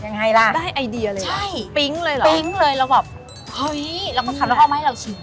ยังไงล่ะได้ไอเดียเลยปิ๊งเลยหรอใช่ปิ๊งเลยแล้วแบบเฮ้ยแล้วก็ทำให้พ่อให้เราชิม